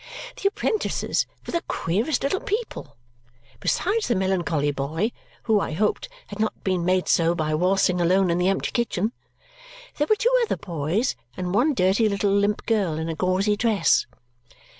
The apprentices were the queerest little people. Besides the melancholy boy, who, I hoped, had not been made so by waltzing alone in the empty kitchen, there were two other boys and one dirty little limp girl in a gauzy dress.